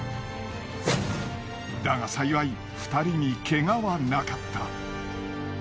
だが幸い２人にけがはなかった。